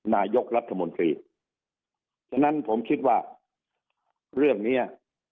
นายกรัฐมนตรีฉะนั้นผมคิดว่าเรื่องเนี้ย